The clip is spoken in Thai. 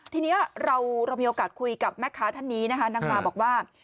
ทีนี้เรามีโอกาสคุยกับแม่ค้าท่านนี้นะคะนางมาบอกว่า